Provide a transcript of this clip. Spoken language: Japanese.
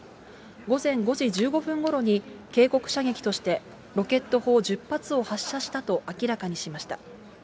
午前５時１５分ごろに、警告射撃としてロケット砲１０発を発射したと明らかにしました。